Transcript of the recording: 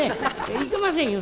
いけませんよ